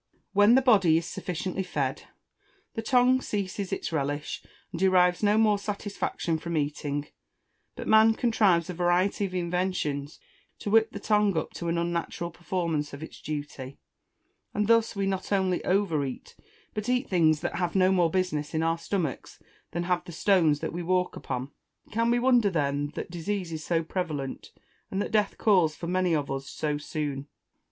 When the body is sufficiently fed, the tongue ceases its relish, and derives no more satisfaction from eating: but man contrives a variety of inventions to whip the tongue up to an unnatural performance of its duty, and thus we not only over eat, but eat things that have no more business in our stomachs, than have the stones that we walk upon. Can we wonder, then, that disease is so prevalent, and that death calls for many of us so soon.